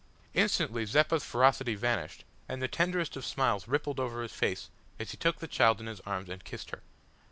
Instantly Zeppa's ferocity vanished, and the tenderest of smiles rippled over his face as he took the child in his arms and kissed her.